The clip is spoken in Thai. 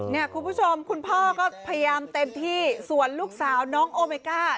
เนี่ยคุณผู้ชมคุณพ่อก็พยายามเต็มที่ส่วนลูกสาวน้องโอเมก้า